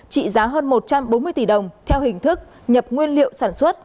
trị giá hơn một trăm bốn mươi tỷ đồng theo hình thức nhập nguyên liệu sản xuất